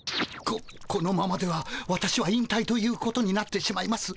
ここのままでは私は引たいということになってしまいます。